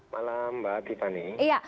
malam mbak tiffany